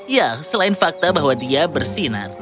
ya selain fakta bahwa dia bersinar